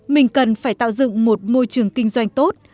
mình cần phải tạo dựng một môi trường kinh doanh tốt